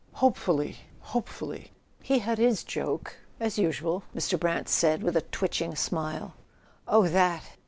"Hopefully—hopefully. He had his joke as usual," Mr. Brant said with a twitching smile. " Oh, that